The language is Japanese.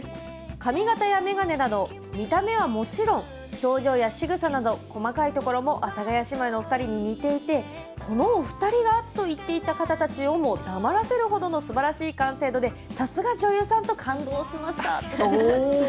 髪形や眼鏡など見た目はもちろん表情やしぐさなど細かいところも阿佐ヶ谷姉妹の２人に似ていてこの２人が？と言っていた方たちをも黙らせるほどのすばらしい完成度でさすが女優さんと感動しました。